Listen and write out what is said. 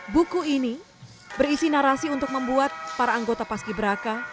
buku ini berisi narasi untuk membuat para anggota paski beraka